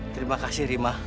terima kasih rimah